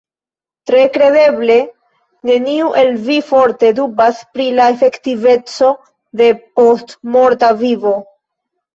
Tre kredeble neniu el vi forte dubas pri la efektiveco de postmorta vivo.